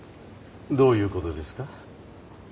どういうことですか？